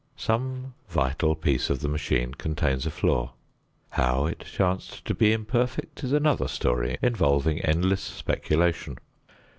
Some vital piece of the machine contains a flaw. How it chanced to be imperfect is another story involving endless speculation.